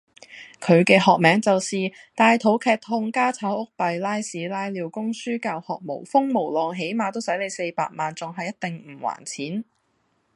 佢嘅學名就是：大肚劇痛家吵屋閉拉屎拉尿供書教學無風無浪起碼都洗你四百萬，仲喺一定唔還錢